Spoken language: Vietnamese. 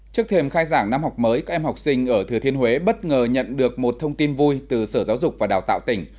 trước thềm khai giảng năm học mới các em học sinh ở thừa thiên huế bất ngờ nhận được một thông tin vui từ sở giáo dục và đào tạo tỉnh